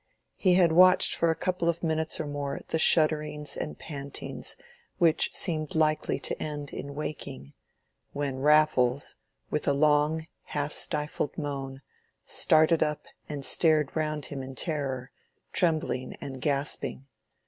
He had watched for a couple of minutes or more the shudderings and pantings which seemed likely to end in waking, when Raffles, with a long half stifled moan, started up and stared round him in terror, trembling and gasping.